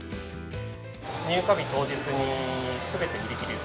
入荷日当日に、すべて売り切れて。